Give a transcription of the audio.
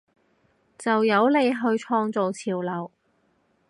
就由你去創造潮流！